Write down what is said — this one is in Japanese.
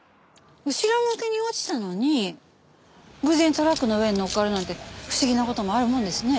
後ろ向きに落ちたのに偶然トラックの上にのっかるなんて不思議な事もあるもんですね。